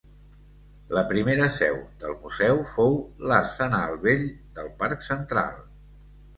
La primera seu del Museu fou l'Arsenal vell del Parc Central.